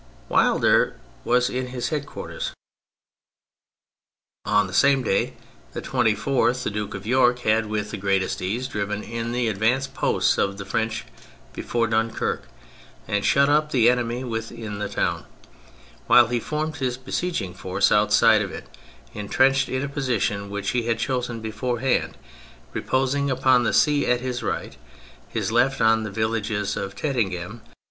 Wilder was his head quarters. On the same day, the 24th, the Duke of York had with the greatest ease driven in the advanced posts of the French before Dunquerque, and shut up the enemy within the town, while he formed his be sieging force outside of it, entrenched in a position which he had chosen beforehand, reposing upon the sea at his right, his left on the village of Tetteghem.